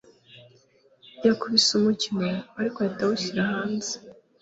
Yakubise umukino, ariko ahita awushyira hanze.